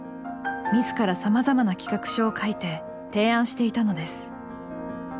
自らさまざまな企画書を書いて提案していたのです。